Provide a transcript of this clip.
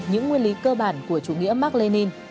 những nguyên lý cơ bản của chủ nghĩa mark lenin